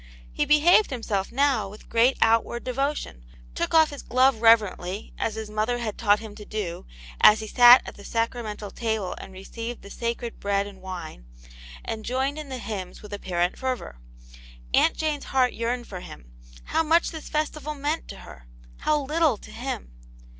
He behaved himself now with great out ^ ward devotion ; took off his glove reverently, as his mother had taught him to do, as he sat at the sacra mental table and received the sacred bread and wine, and joined in the hymns with apparent fervour. Aunt Jane's heart yearned for him ; how much this festival meant to her — how little to him